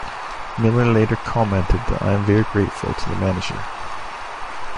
Miller later commented that I am very grateful to the manager.